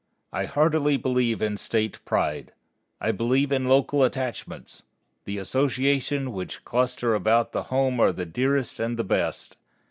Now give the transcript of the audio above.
I heartily believe in State pride. I believe in local attachments. The associations which cluster about the home are the dearest and the best.